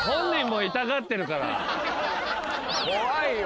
・怖いよ。